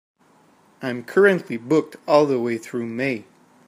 I'm currently booked all the way through May.